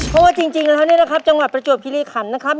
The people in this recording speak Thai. เพราะว่าจริงแล้วเนี่ยนะครับจังหวัดประจวบคิริขันนะครับ